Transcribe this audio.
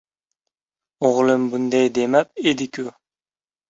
— O‘g‘lim bunday demab edi-ku".